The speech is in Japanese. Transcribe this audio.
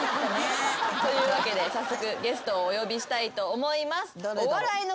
というわけで早速ゲストをお呼びしたいと思います。